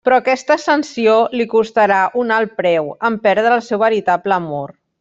Però aquesta ascensió li costarà un alt preu, en perdre al seu veritable amor.